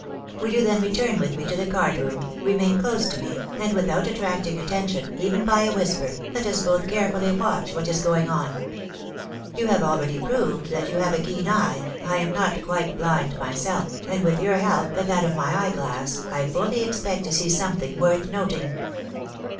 Will you then return with me to the card room — remain close to me — and 'svithout attracting attention, even by a whisper, let us both carefully watch what is going on ? You have already proved that you have a keen eye — I am not quite blind myself ; and with your help, and that of my eye glass, I fuUy expect to see something worth noting."